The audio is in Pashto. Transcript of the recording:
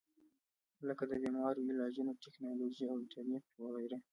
لکه د بيمارو علاجونه ، ټېکنالوجي او انټرنيټ وغېره